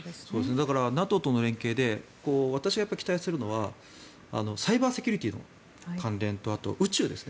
だからＮＡＴＯとの連携で私が期待するのはサイバーセキュリティーの関連と宇宙ですね。